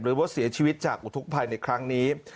หรือว่าเสียชีวิตจากอุทธกภัยในครั้งนี้